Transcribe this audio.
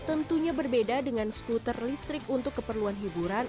tentunya berbeda dengan skuter listrik untuk keperluan hiburan